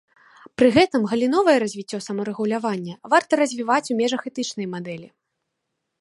Пры гэтым галіновае развіццё самарэгулявання варта развіваць у межах этычнай мадэлі.